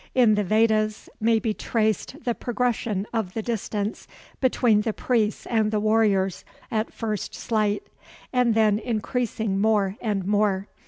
In the Vedas may be traced the progression of the distance between the priests and the warriors, at first slight, and then increasing more and more.